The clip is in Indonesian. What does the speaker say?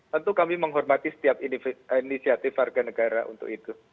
tentu kami menghormati setiap inisiatif warga negara untuk itu